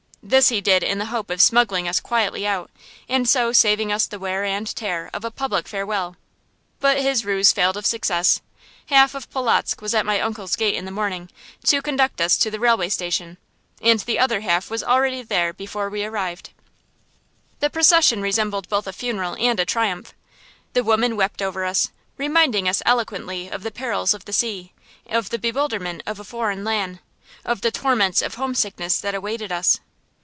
This he did in the hope of smuggling us quietly out, and so saving us the wear and tear of a public farewell. But his ruse failed of success. Half of Polotzk was at my uncle's gate in the morning, to conduct us to the railway station, and the other half was already there before we arrived. The procession resembled both a funeral and a triumph. The women wept over us, reminding us eloquently of the perils of the sea, of the bewilderment of a foreign land, of the torments of homesickness that awaited us.